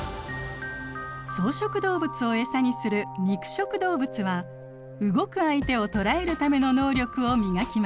草食動物をエサにする肉食動物は動く相手を捕らえるための能力を磨きました。